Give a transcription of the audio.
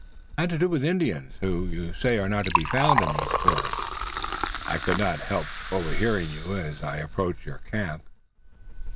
"It had to do with Indians, who you say are not to be found in these forests. I could not help overhearing you, as I approached your camp."